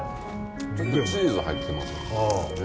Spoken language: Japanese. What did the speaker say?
ちょっとチーズ入ってますね。